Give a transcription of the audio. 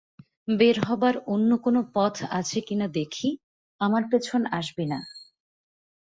বের হবার অন্য কোন পথ আছে কিনা দেখি, আমার পেছনে আসবি না।